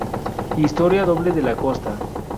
Historia doble de la Costa.